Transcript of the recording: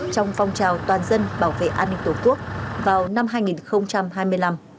trong phong trào toàn dân bảo vệ an ninh tổ quốc vào năm hai nghìn hai mươi năm